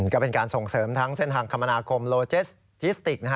ก็เป็นการส่งเสริมทั้งเส้นทางคมนาคมโลเจสจิสติก